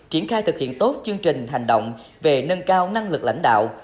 triển khai thực hiện tốt chương trình hành động về nâng cao năng lực lãnh đạo